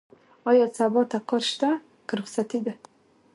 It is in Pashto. ايا سبا ته کار شته؟ که رخصتي ده؟